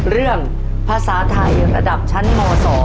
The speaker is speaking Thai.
เรื่องภาษาไทยระดับชั้นม๒